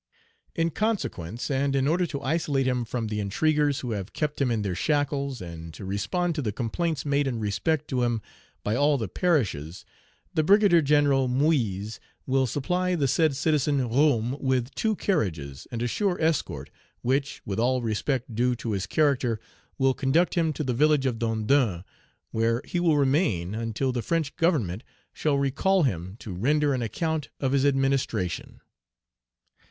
In consequence, and in order to isolate him from the intriguers who have kept him in their shackles, and to respond to the complaints made in respect to him by all the parishes, the brigadier general Moyse will supply the said Citizen Roume with two carriages and a sure escort, which, with all respect due to his character, will conduct him to the village of Dondon, where he will remain until the French Government shall recall him to render an account of his administration."